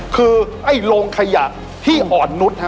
คือไอ้โรงขยะที่อ่อนนุษย์